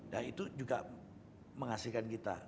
nah itu juga menghasilkan kita